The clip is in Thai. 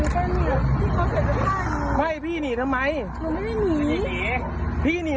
ผมไม่ได้หนีมาไงผมไม่ได้หนี